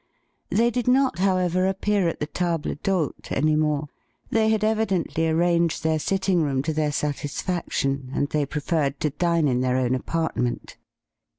They did not, however, appear at the table CLELIA VINE 49 d''h6te any more. They had evidently arranged their sitting room to their satisfaction, and they preferred to dine in their own apartment.